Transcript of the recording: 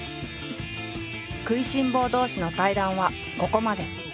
食いしん坊同士の対談はここまで。